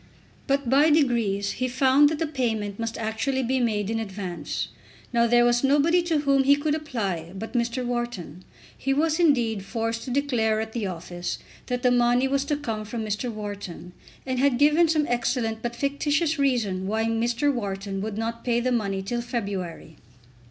But by degrees he found that the payment must actually be made in advance. Now there was nobody to whom he could apply but Mr. Wharton. He was, indeed, forced to declare at the office that the money was to come from Mr. Wharton, and had given some excellent but fictitious reason why Mr. Wharton would not pay the money till February.